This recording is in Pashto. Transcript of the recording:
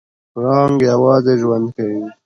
پړانګ یوازې ژوند کوي.